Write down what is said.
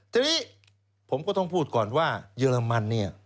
ทีนี้ผมก็ต้องพูดก่อนว่าเยอรมันเนี่ย